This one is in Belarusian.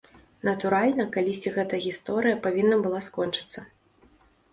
Натуральна, калісьці гэта гісторыя павінна была скончыцца.